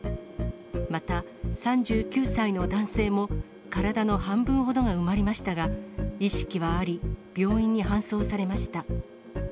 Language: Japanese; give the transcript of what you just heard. また、３９歳の男性も体の半分ほどが埋まりましたが、意識はあり、病院に搬送されました。